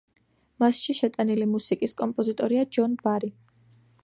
მასში შეტანილი მუსიკის კომპოზიტორია ჯონ ბარი.